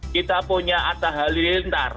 kita punya atta halilintar